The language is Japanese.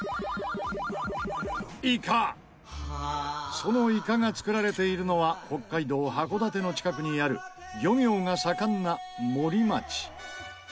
そのイカが作られているのは北海道函館の近くにある漁業が盛んな森町。